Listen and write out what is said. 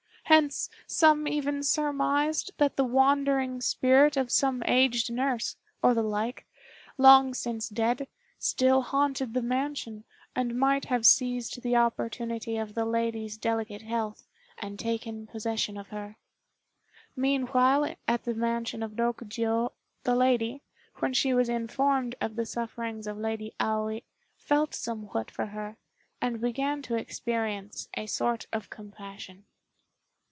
Hence some even surmised that the wandering spirit of some aged nurse, or the like, long since dead, still haunted the mansion, and might have seized the opportunity of the lady's delicate health, and taken possession of her. Meanwhile at the mansion of Rokjiô, the lady, when she was informed of the sufferings of Lady Aoi, felt somewhat for her, and began to experience a sort of compassion.